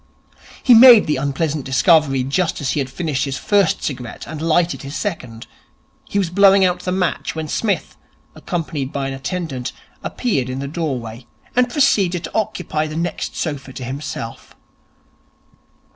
He made the unpleasant discovery just as he had finished his first cigarette and lighted his second. He was blowing out the match when Psmith, accompanied by an attendant, appeared in the doorway, and proceeded to occupy the next sofa to himself.